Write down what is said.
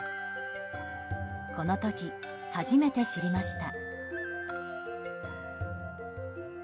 この時、初めて知りました。